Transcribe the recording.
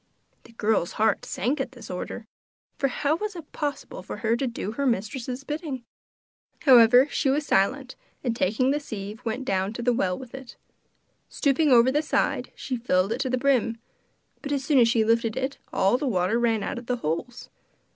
The girl's heart sank at this order; for how was it possible for her to do her mistress's bidding? However, she was silent, and taking the sieve went down to the well with it. Stopping over the side, she filled it to the brim, but as soon as she lifted it the water all ran out of the holes.